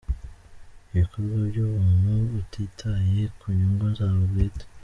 Ibikorwa by’ubumuntu utitaye ku nyungu zawe bwite.